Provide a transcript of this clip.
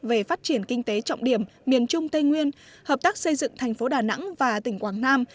về phát triển kinh tế trọng điểm miền trung tây nguyên hợp tác xây dựng thành phố đà nẵng và tỉnh quảng nam